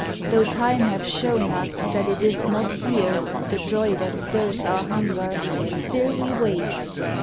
OCTOBER Tho Time have shown us that it is not here The joy that stirs our hunger still we wait.